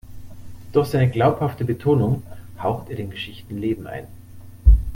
Durch seine glaubhafte Betonung haucht er den Geschichten Leben ein.